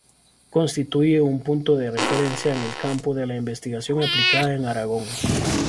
Constituye un punto de referencia en el campo de la investigación aplicada en Aragón.